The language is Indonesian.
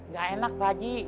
gak enak pak haji